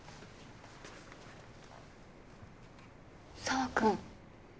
澤くん。